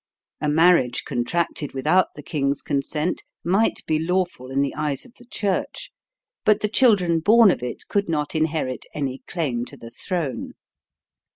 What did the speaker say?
A marriage contracted without the king's consent might be lawful in the eyes of the church, but the children born of it could not inherit any claim to the throne.